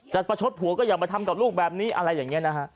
ประชดผัวก็อย่ามาทำกับลูกแบบนี้อะไรอย่างนี้นะฮะ